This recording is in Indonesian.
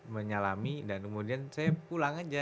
menyalami dan kemudian saya pulang aja